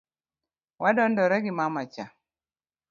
Wadondore gi mama cha.